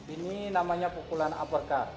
ini namanya pukulan uppercut